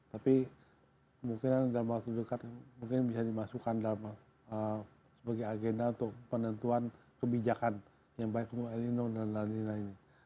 tapi mungkin dalam waktu dekat mungkin bisa dimasukkan dalam sebagai agenda untuk penentuan kebijakan yang baik untuk elinor dan lain lain